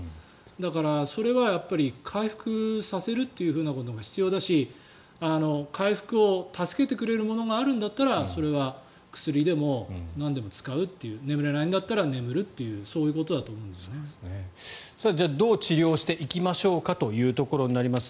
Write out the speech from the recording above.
だから、それは回復させるということが必要だし回復を助けてくれるものがあるんだったらそれは薬でもなんでも使うという眠れないんだったら眠るというどう治療をしていきましょうかということです。